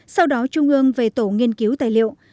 sau đó trung ương về tổ nghiên cứu tài liệu